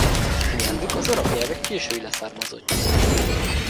A nyelvük az arab nyelv egy késői leszármazottja.